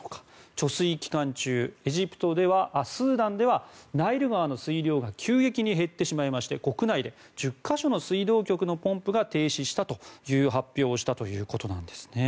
貯水期間中、スーダンではナイル川の水量が急激に減ってしまいまして国内で１０か所の水道局のポンプが停止したと発表をしたということなんです。